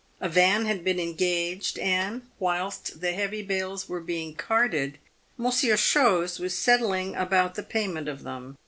A van had been engaged, and, whilst the heavy bales were being carted, Monsieur Chose was settling about the payment of them.